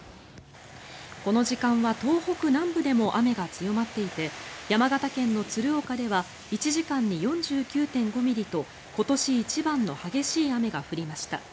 この時間は東北南部でも雨が強まっていて山形県の鶴岡では１時間に４９．５ミリと今年一番の激しい雨が降りました。